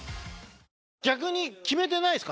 逆に決めてないですか？